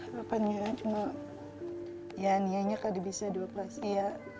harapannya cuma ya nia nya gak bisa di operasi ya